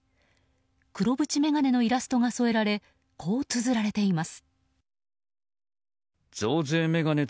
黒縁眼鏡のイラストが添えられこうつづられています。